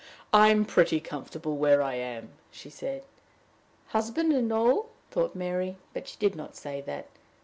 "I am pretty comfortable where I am," she said. "Husband and all!" thought Mary, but she did not say that.